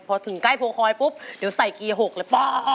พอถึงใกล้โพคอยปุ๊บเดี๋ยวใส่เกียร์๖เลยพ่อ